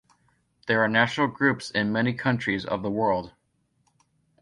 There are national groups in many countries of the world.